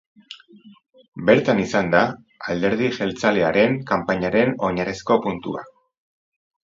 Bertan izan da alderdi jeltzalearen kanpainaren oinarrizko puntua.